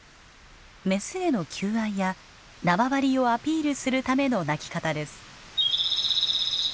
メスへの求愛や縄張りをアピールするための鳴き方です。